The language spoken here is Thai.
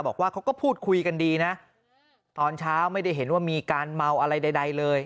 บอกว่าเขาก็พูดคุยกันดีนะตอนเช้าไม่ได้เห็นว่ามีการเมาอะไรใดเลย